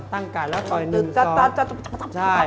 ต้องกัดแล้วต่อย๑๒